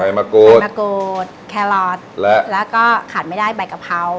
ใบมะกูฏแครอตแล้วก็ขาดไม่ได้ใบกะเพรา